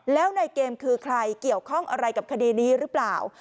แล้วในเกมคือใครเกี่ยวข้องอะไรกับคดีนี้หรือเปล่า